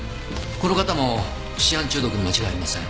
この方もシアン中毒に間違いありません。